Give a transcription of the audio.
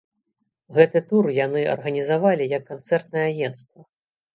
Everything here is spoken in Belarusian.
Гэты тур яны арганізавалі як канцэртнае агенцтва.